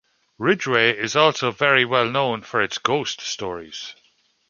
Ridgeway is also very well known for its ghost stories.